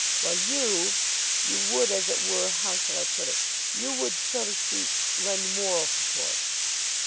"Well, you you would, as it were how shall I put it? You would, so to speak, lend moral support."